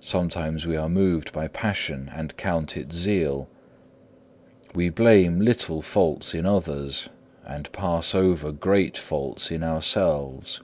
Sometimes we are moved by passion and count it zeal; we blame little faults in others and pass over great faults in ourselves.